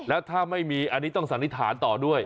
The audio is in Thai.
แล้วถ้าไม่มีอันนี้ต้องสันนิษฐานต่อด้วย